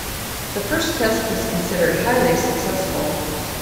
The first test was considered highly successful.